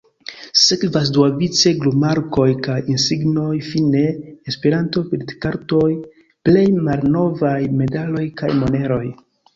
Sekvas duavice glumarkoj kaj insignoj, fine E-bildkartoj plej malnovaj, medaloj kaj moneroj.